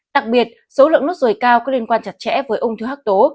đặc biệt số lượng nốt ruồi cao có liên quan chặt chẽ với ung thư hạc tố